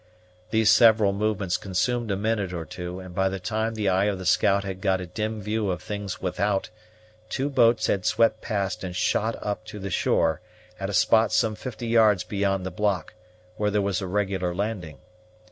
These several movements consumed a minute or two; and by the time the eye of the scout had got a dim view of things without, two boats had swept past and shot up to the shore, at a spot some fifty yards beyond the block, where there was a regular landing.